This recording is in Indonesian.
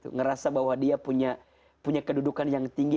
ngerasa bahwa dia punya kedudukan yang tinggi